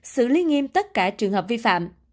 xử lý nghiêm tất cả trường hợp vi phạm